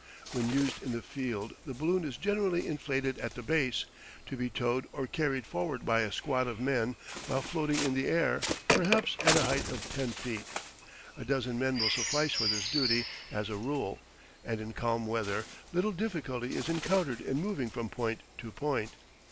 When used in the field the balloon is generally inflated at the base, to be towed or carried forward by a squad of men while floating in the air, perhaps at a height of 10 feet. A dozen men will suffice for this duty as a rule, and in calm weather little difficulty is encountered in moving from point to point.